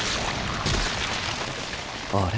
あれ？